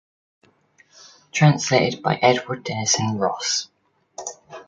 Translated by Edward Denison Ross.